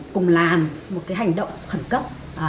cùng làm một cái hành động khẩn cấp